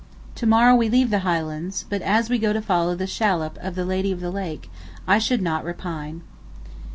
To morrow we leave the Highlands, but as we go to follow the shallop of the "Lady of the Lake," I should not repine.